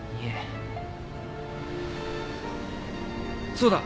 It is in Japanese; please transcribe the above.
そうだ。